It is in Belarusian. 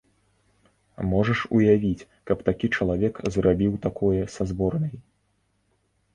Можаш уявіць, каб такі чалавек зрабіў такое са зборнай?